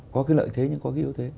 có cái lợi thế nhưng có cái yếu thế